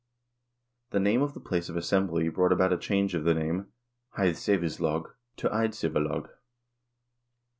The name of the place of assembly brought about a change of the name "IleiSscevislog" to Eidsivalag.